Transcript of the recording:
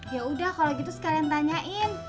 yaudah kalau gitu sekalian tanyain